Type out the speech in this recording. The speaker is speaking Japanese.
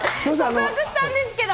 告白したんですけど。